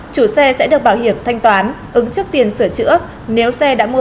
chủ xe sẽ được bảo hiểm thanh toán ứng trước tiền sửa chữa nếu xe đã mua